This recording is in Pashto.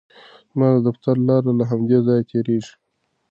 زما د دفتر لاره له همدې ځایه تېریږي.